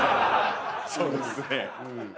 そうですね。